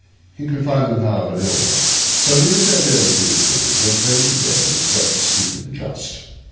He could find them, however, nowhere; so returned early to his rooms, went early to bed, and slept the sleep of the just.